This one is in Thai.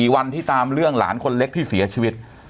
วันที่ตามเรื่องหลานคนเล็กที่เสียชีวิต